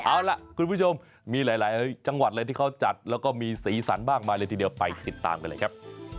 เอาล่ะคุณผู้ชมมีหลายจังหวัดเลยที่เขาจัดแล้วก็มีสีสันมากมายเลยทีเดียวไปติดตามกันเลยครับ